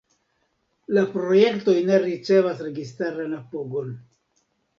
La projektoj ne ricevas registaran apogon.